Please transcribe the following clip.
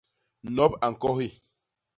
Nop a ñkohi.